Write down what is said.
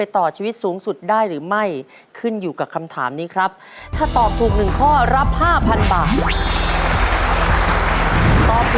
ต่อครูสามข้อรับหนึ่งแสนบาท